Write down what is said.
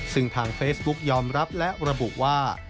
ซึ่งทางเฟซบุ๊กยอมรับและระบุว่า